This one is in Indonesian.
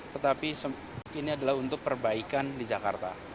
tetapi ini adalah untuk perbaikan di jakarta